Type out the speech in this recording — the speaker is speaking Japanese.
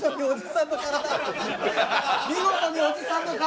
見事におじさんの体。